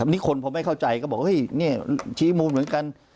นี่คนพอไม่เข้าใจก็บอกเฮ้ยนี่ชี้มูลเหมือนกัน